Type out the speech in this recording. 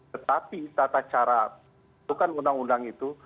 tetapi tata cara pembentukan undang undang itu